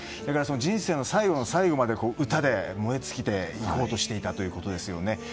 人生の最後の最後まで歌で燃え尽きていこうとしていたということですよね。